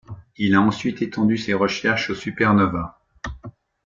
Il a ensuite étendu ses recherches aux supernovae.